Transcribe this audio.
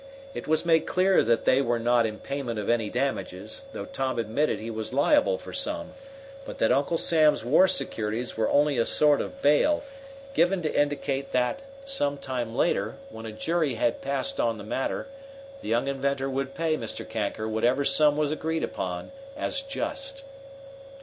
It was made clear that they were not in payment of any damages, though Tom admitted he was liable for some, but that Uncle Sam's war securities were only a sort of bail, given to indicate that, some time later, when a jury had passed on the matter, the young inventor would pay Mr. Kanker whatever sum was agreed upon as just.